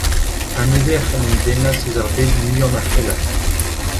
A-neuze ec'h en em dennas eus ar bed muiañ ma c'hellas.